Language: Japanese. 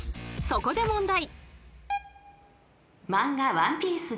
［そこで問題］